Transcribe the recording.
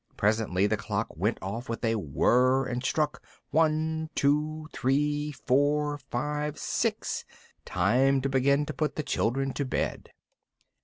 Presently the clock went off with a whirr, and struck one, two, three, four, five, six time to begin to put the children to bed.